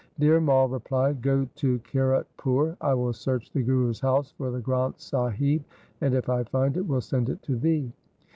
Dhir Mai replied, ' Go to Kiratpur ; I will search the Guru's house for the Granth Sahib, and if I find it, will send it to thee.'